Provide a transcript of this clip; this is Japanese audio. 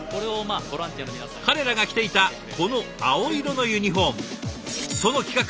彼らが着ていたこの青色のユニフォーム。